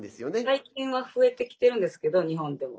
最近は増えてきてるんですけど日本でも。